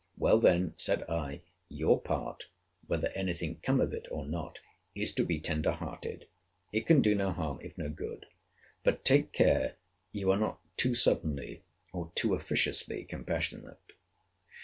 Well then, said I, your part, whether any thing come of it or not, is to be tender hearted. It can do no harm, if no good. But take care you are not too suddenly, or too officiously compassionate.